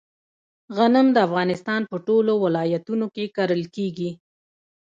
غنم د افغانستان په ټولو ولایتونو کې کرل کیږي.